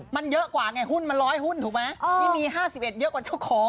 มันเยอะกว่าไงหุ้นมัน๑๐๐หุ้นถูกไหมนี่มี๕๑เยอะกว่าเจ้าของ